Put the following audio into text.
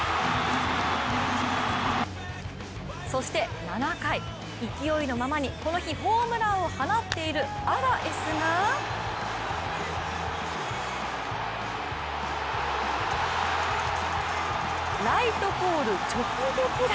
そして７回、勢いのままにこの日ホームランを放っているアラエスがライトポール直撃弾！